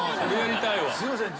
すいません。